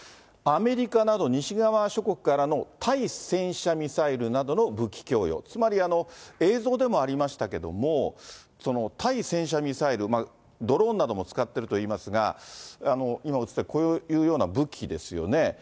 アメリカなど西側諸国からの対戦車ミサイルなどの武器供与、つまり、映像でもありましたけれども、対戦車ミサイル、ドローンなども使っているといいますが、今映ってる、こういうような武器ですよね。